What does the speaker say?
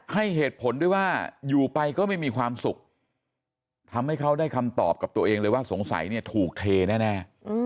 ให้เหตุผลด้วยว่าอยู่ไปก็ไม่มีความสุขทำให้เขาได้คำตอบกับตัวเองเลยว่าสงสัยเนี่ยถูกเทแน่